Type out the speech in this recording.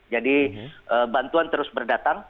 jadi bantuan terus berdatang